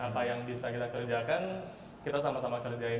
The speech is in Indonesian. apa yang bisa kita kerjakan kita sama sama kerjain